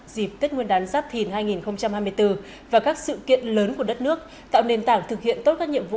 dịp tết nguyên đán giáp thìn hai nghìn hai mươi bốn và các sự kiện lớn của đất nước tạo nền tảng thực hiện tốt các nhiệm vụ